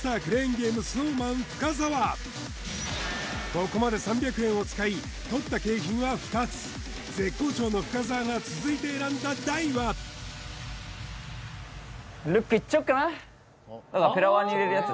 ここまで３００円を使いとった景品は２つ絶好調の深澤が続いて選んだ台は？ですよね？